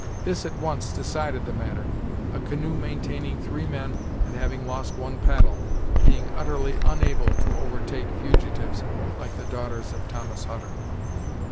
This at once decided the matter, a canoe containing three men and having but one paddle being utterly unable to overtake fugitives like the daughters of Thomas Hutter.